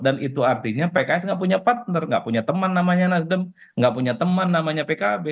dan itu artinya pks tidak punya partner tidak punya teman namanya nasdem tidak punya teman namanya pkb